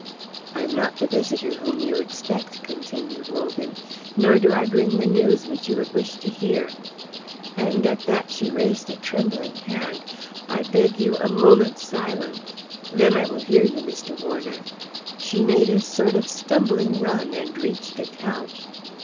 "I am not the visitor whom you expect," continued Wogan, "nor do I bring the news which you would wish to hear;" and at that she raised a trembling hand. "I beg you a moment's silence. Then I will hear you, Mr. Warner." She made a sort of stumbling run and reached a couch.